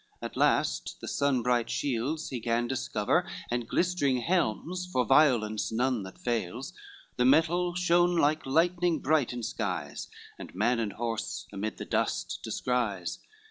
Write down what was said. At last the sun bright shields he gan discover, And glistering helms for violence none that fails, The metal shone like lightning bright in skies, And man and horse amid the dust descries.